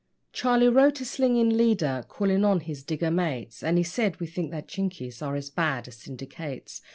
Charlie wrote a slinging leader, calling on his digger mates, And he said: 'We think that Chinkies are as bad as syndicates.